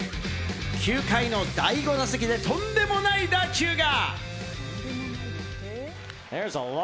９回の第５打席でとんでもない打球が！